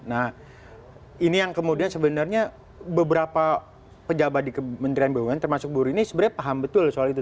nah ini yang kemudian sebenarnya beberapa pejabat di kementerian bumn termasuk buru ini sebenarnya paham betul soal itu